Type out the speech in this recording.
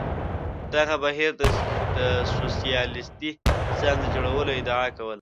دغه بهیر د سوسیالیستي نظام د جوړولو ادعا کوله.